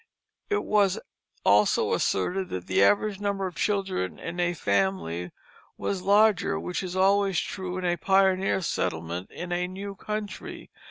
It was also asserted that the average number of children in a family was larger, which is always true in a pioneer settlement in a new country.